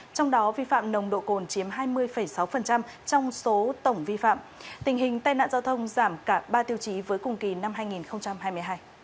trong đó vi phạm nồng độ cồn chiếm hai mươi sáu trong số tổng vi phạm tình hình tai nạn giao thông giảm cả ba tiêu chí với cùng kỳ năm hai nghìn hai mươi hai